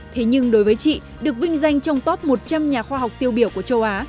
thế nhưng đối với chị được vinh danh trong top một trăm linh nhà khoa học tiêu biểu của châu á